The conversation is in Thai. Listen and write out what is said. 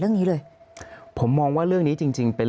สิ่งที่ประชาชนอยากจะฟัง